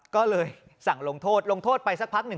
ก็เลยสั่งลงโทษลงโทษไปสักพักหนึ่ง